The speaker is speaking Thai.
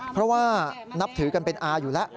เพราะว่านับถือกันเป็นอาอยู่แล้ว